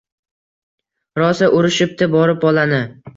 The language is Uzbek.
Rosa urishibdi borib bolani.